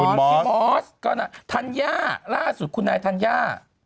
พี่มอสก็ธัญญาล่าสุดคุณนายธัญญา